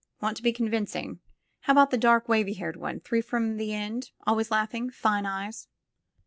Want to be convincing. How about the dark, wavy haired one, three from the endf Always laughing. Fine eyes."